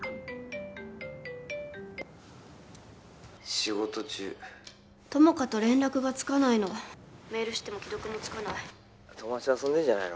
☎仕事中友果と連絡がつかないの☎メールしても既読もつかない☎友達と遊んでんじゃないの？